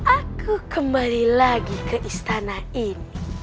aku kembali lagi ke istana ini